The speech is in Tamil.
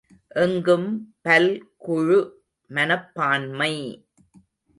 எங்கும் பல்குழு மனப்பான்மை!